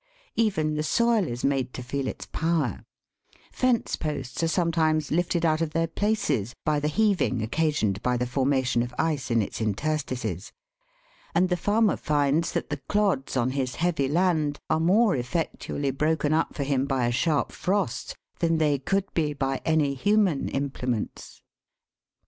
Even the soil is made to feel its power ; fence posts are sometimes lifted out ot their places by the heaving occasioned by the formation of ice in its interstices, and the farmer finds that the clods on his heavy land are more effectually broken up for him by a sharp frost than they could be by any human implements.